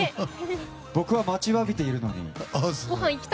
僕は待ちわびているのに。